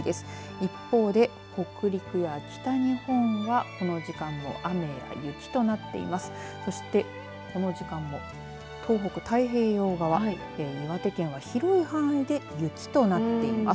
一方で、北陸や北日本はこの時間も雨や雪となっています。